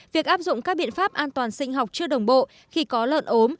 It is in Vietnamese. việc áp dụng các biện pháp an toàn sinh học chưa đồng bộ khi có lợn ốm